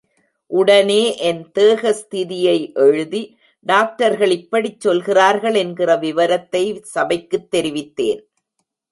உடனே என் தேகஸ்திதியை எழுதி டாக்டர்கள் இப்படிச் சொல்கிறார்கள் என்கிற விவரத்தை சபைக்குத் தெரிவித்தேன்.